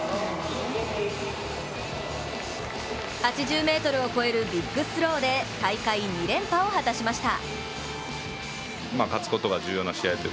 ８０ｍを超えるビッグスローで大会２連覇を果たしました。